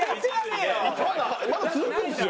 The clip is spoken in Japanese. まだまだ続くんですよ。